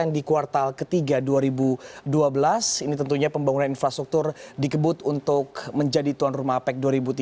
di kuartal ketiga dua ribu dua belas ini tentunya pembangunan infrastruktur dikebut untuk menjadi tuan rumah apec dua ribu tiga puluh